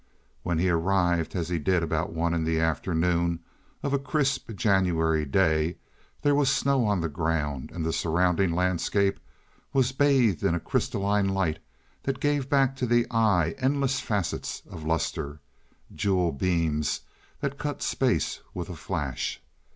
When he arrived, as he did about one in the afternoon of a crisp January day, there was snow on the ground, and the surrounding landscape was bathed in a crystalline light that gave back to the eye endless facets of luster—jewel beams that cut space with a flash.